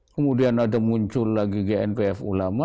kemudian ada muncul lagi gnpf ulama